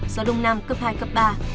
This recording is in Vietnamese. gió đông nam cấp hai cấp ba